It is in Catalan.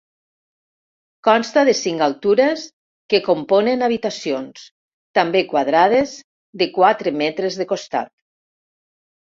Consta de cinc altures, que componen habitacions, també quadrades, de quatre metres de costat.